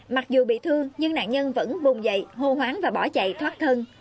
mặc dù bị thương nhưng nạn nhân vẫn bùng dậy hô hoáng và bỏ chạy thoát thân